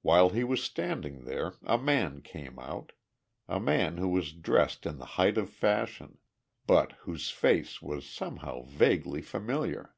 While he was standing there a man came out a man who was dressed in the height of fashion, but whose face was somehow vaguely familiar.